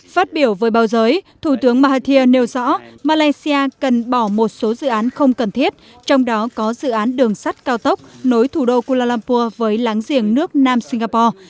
phát biểu với báo giới thủ tướng mahathir nêu rõ malaysia cần bỏ một số dự án không cần thiết trong đó có dự án đường sắt cao tốc nối thủ đô kuala lumpur với láng giềng nước nam singapore